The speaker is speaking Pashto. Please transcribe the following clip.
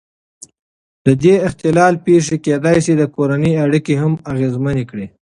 د دې اختلال پېښې کېدای شي د کورنۍ اړیکې هم اغېزمنې کړي.